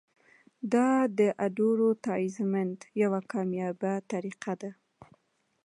دا د اډورټایزمنټ یوه کامیابه طریقه ده.